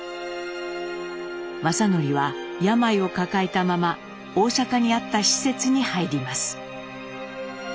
正順は病を抱えたまま大阪にあった施設に入ります。